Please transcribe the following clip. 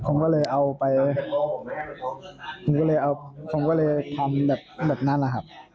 ผมก็เลยเอาไปผมก็เลยเอาผมก็เลยทำแบบนั้นแหละครับ